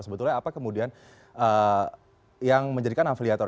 sebetulnya apa kemudian yang menjadikan afiliator ini menjadi salah satu pihak yang menjadikan afiliator